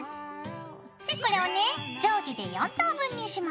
でこれをね定規で４等分にします。